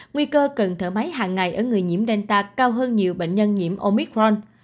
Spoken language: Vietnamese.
nguy cơ cần thở máy hàng ngày ở người nhiễm delta cao hơn nhiều bệnh nhân nhiễm omicron